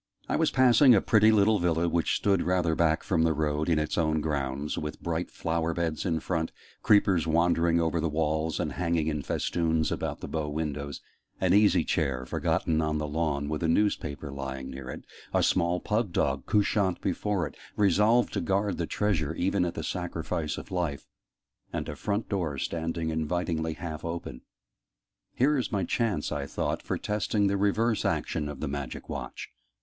I was passing a pretty little villa, which stood rather back from the road, in its own grounds, with bright flower beds in front creepers wandering over the walls and hanging in festoons about the bow windows an easy chair forgotten on the lawn, with a newspaper lying near it a small pug dog "couchant" before it, resolved to guard the treasure even at the sacrifice of life and a front door standing invitingly half open. "Here is my chance," I thought, "for testing the reverse action of the Magic Watch!"